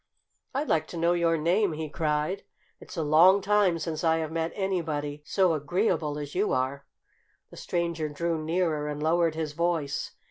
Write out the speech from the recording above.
"I'd like to know your name!" he cried. "It's a long time since I have met anybody so agreeable as you are." The stranger drew nearer and lowered his voice.